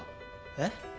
えっ？